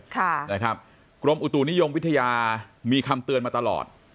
ค่ะนะครับกรมอุตุนิยมวิทยามีคำเตือนมาตลอด